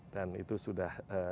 dan itu sudah